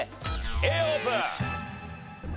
Ａオープン。